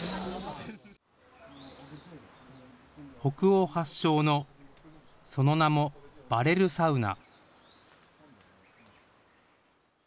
北欧発祥の、その名もバレルサウナ。